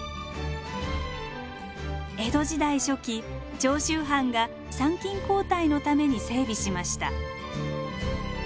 江戸時代初期長州藩が参勤交代のために整備しました。